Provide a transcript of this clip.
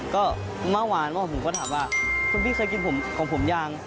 ก็เมื่อวานผมก็ถามว่าคุณพี่เคยกินผมของผมยัง